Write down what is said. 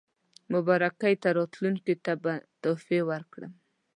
مبارکۍ ته راتلونکو ته به تحفې ورکړم.